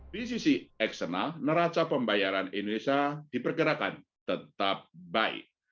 di sisi eksternal neraca pembayaran indonesia diperkirakan tetap baik